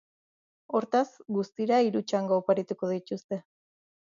Hortaz, guztira hiru txango oparituko dituzte.